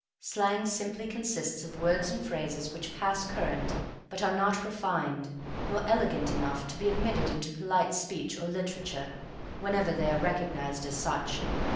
Slang simply consists of words and phrases which pass current but are not refined, nor elegant enough, to be admitted into polite speech or literature whenever they are recognized as such.